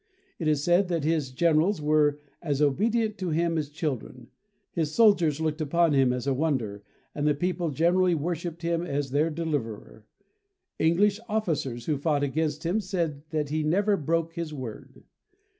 It is said that his generals were as obe dient to him as children. His soldiers looked upon him as a wonder, and the people generally wor shipped him as their deliverer. English officers who fought against him said that he never broke his word.